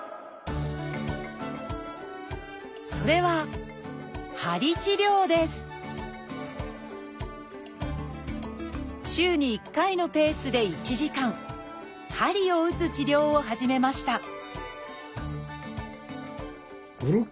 それは週に１回のペースで１時間鍼を打つ治療を始めました